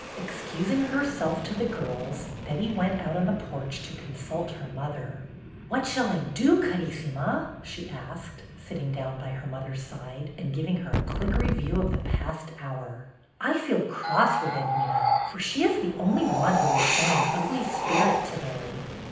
Excusing herself to the girls, Betty went out on the porch to consult her mother. "What shall I do, Carissima?" she asked, sitting down by her mother's side and giving her a quick review of the past hour. "I feel cross with Edwyna, for she is the only one who has shown an ugly spirit to day."